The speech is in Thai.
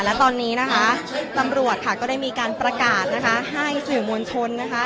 และตอนนี้นะคะตำรวจค่ะก็ได้มีการประกาศนะคะให้สื่อมวลชนนะคะ